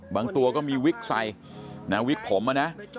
ตัวก็มีวิกใส่นะวิกผมนะ